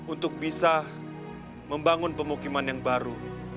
untuk bisa membangun pemukiman yang baru